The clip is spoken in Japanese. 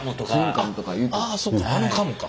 そうかあのカムか。